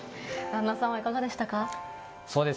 旦那さんはいかがでしたか。